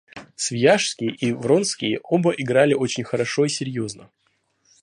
Свияжский и Вронский оба играли очень хорошо и серьезно.